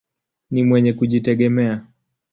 Ni mwenye kujitegemea.